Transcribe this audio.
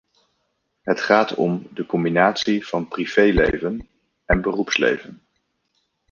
Het gaat om de combinatie van privéleven en beroepsleven.